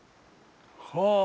はあ。